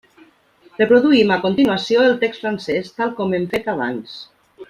Reproduïm a continuació el text francès, tal com hem fet abans.